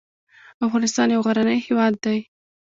افغانستان یو غرنی هېواد دې .